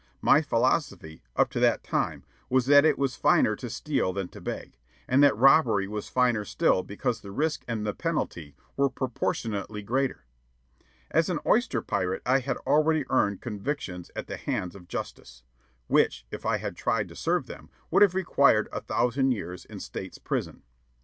My philosophy, up to that time, was that it was finer to steal than to beg; and that robbery was finer still because the risk and the penalty were proportionately greater. As an oyster pirate I had already earned convictions at the hands of justice, which, if I had tried to serve them, would have required a thousand years in state's prison.